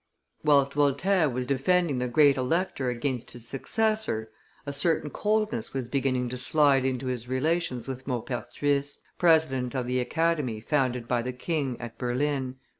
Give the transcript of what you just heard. Whilst Voltaire was defending the Great Elector against his successor, a certain coldness was beginning to slide into his relations with Maupertuis, president of the Academy founded by the king at Berlin.